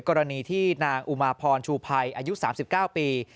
กรณีที่นางอุมาพรชูภัยอายุ๓๙ปี